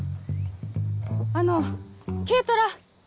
あの軽トラ。